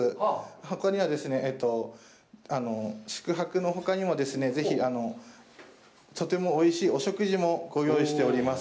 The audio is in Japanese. ほかには、宿泊のほかにもとてもおいしいお食事もご用意しております。